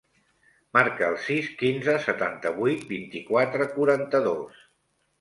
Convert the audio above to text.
Marca el sis, quinze, setanta-vuit, vint-i-quatre, quaranta-dos.